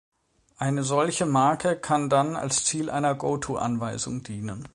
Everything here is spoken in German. Eine solche Marke kann dann als Ziel einer "Goto-Anweisung" dienen.